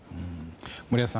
森保さん